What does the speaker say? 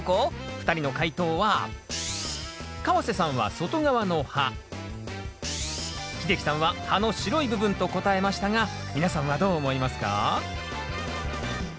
２人の解答は川瀬さんは外側の葉秀樹さんは葉の白い部分と答えましたが皆さんはどう思いますか？